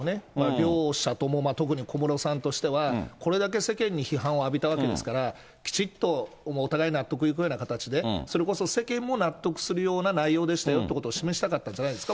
両者とも、特に小室さんとしては、これだけ世間に批判を浴びたわけですから、きちっとお互い納得のいくような形で、それこそ世間も納得するような内容でしたよということを示したかったんじゃないですか。